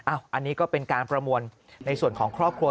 อันนี้ก็เป็นการประมวลในส่วนของครอบครัว